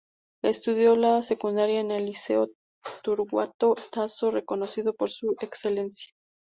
Estudió la secundaria en el Liceo Torquato Tasso, reconocido por su excelencia.